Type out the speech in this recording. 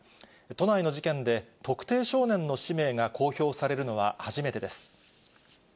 都内の事件で特定少年の氏名が公表されるのは初めてです。